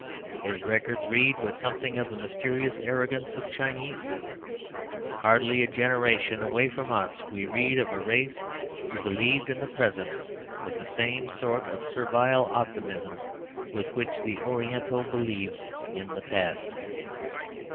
Its records read with something of the mysterious arrogance of Chinese: hardly a generation away from us, we read of a race who believed in the present with the same sort of servile optimism with which the Oriental believes in the past.